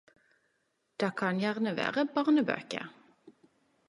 Det kan gjerne vere barnebøker.